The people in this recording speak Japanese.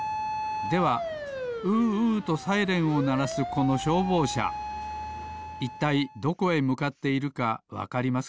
では「うーうー」とサイレンをならすこのしょうぼうしゃいったいどこへむかっているかわかりますか？